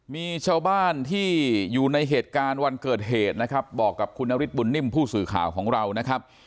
มีชาวบ้านที่อยู่ในเหตุการณ์วันเกิดเหตุนะครับบอกกับคุณนฤทธบุญนิ่มผู้สื่อข่าวของเรานะครับ